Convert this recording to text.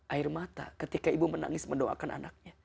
air mata ketika ibu menangis mendoakan anaknya